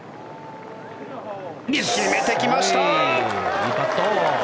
いいパット！